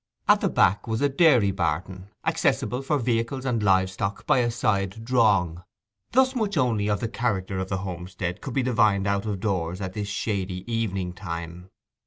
At the back was a dairy barton, accessible for vehicles and live stock by a side 'drong.' Thus much only of the character of the homestead could be divined out of doors at this shady evening time.